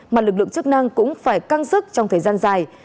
mà lực lượng chức năng cũng phải căng sức trong thời gian dài